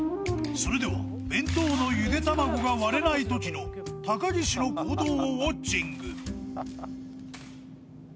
それでは、弁当のゆで卵が割れないときの、高岸の行動をウォッチング。